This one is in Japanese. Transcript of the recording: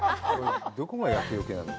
どこが厄よけなの？